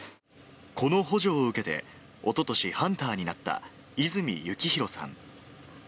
この補助を受けて、おととし、ハンターになった和泉幸浩さん。